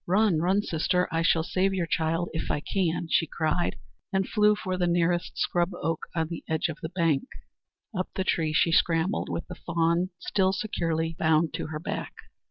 "Run, run, sister! I shall save your child if I can," she cried, and flew for the nearest scrub oak on the edge of the bank. Up the tree she scrambled, with the fawn still securely bound to her back.